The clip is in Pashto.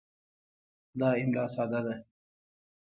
دا املا ساده ده.